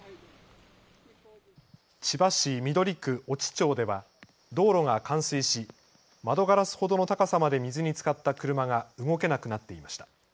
千葉市緑区越智町では道路が冠水し窓ガラスほどの高さまで水につかった車が動けなくなっていました。